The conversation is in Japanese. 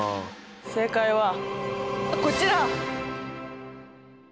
正解はこちら！